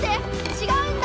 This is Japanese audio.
違うんだ！